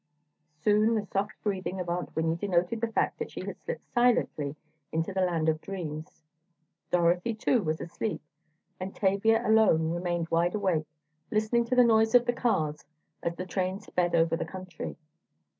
Soon the soft breathing of Aunt Winnie denoted the fact that she had slipped silently into the land of dreams. Dorothy, too, was asleep, and Tavia alone remained wide awake, listening to the noise of the cars as the train sped over the country.